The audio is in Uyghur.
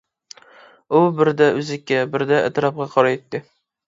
ئۇ بىردە ئۈزۈككە، بىردە ئەتراپقا قارايتتى.